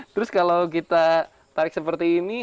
terus kalau kita tarik seperti ini